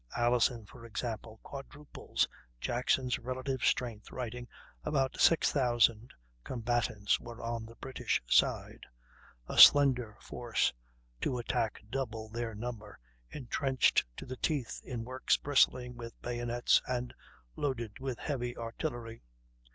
Alison, for example, quadruples Jackson's relative strength, writing: "About 6,000 combatants were on the British side; a slender force to attack double their number, intrenched to the teeth in works bristling with bayonets and loaded with heavy artillery."